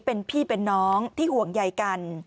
เป็นพี่เป็นน้องที่ห่วงใยกัน